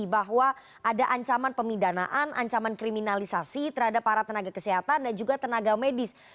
bahwa ada ancaman pemidanaan ancaman kriminalisasi terhadap para tenaga kesehatan dan juga tenaga medis